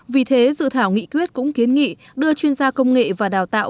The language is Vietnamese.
vì thế dự thảo nghị quyết cũng kiến nghị đưa chuyên gia công nghệ và đào tạo